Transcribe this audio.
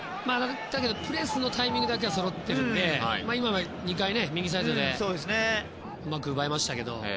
だけどプレスのタイミングだけはそろっているので今は２回、右サイドでうまく奪いましたけど。